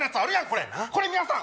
これこれ皆さん